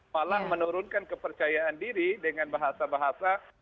malah menurunkan kepercayaan diri dengan bahasa bahasa